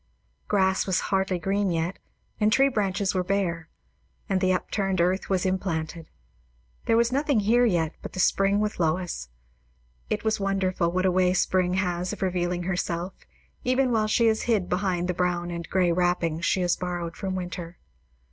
Grass was hardly green yet, and tree branches were bare, and the upturned earth was implanted. There was nothing here yet but the Spring with Lois. It is wonderful what a way Spring has of revealing herself, even while she is hid behind the brown and grey wrappings she has borrowed from Winter.